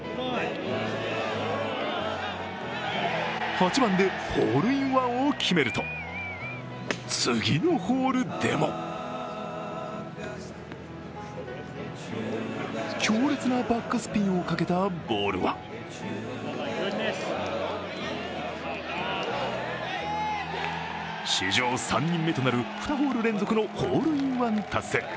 ８番でホールインワンを決めると次のホールでも強烈なバックスピンをかけたボールは史上３人目となる２ホール連続のホールインワン達成。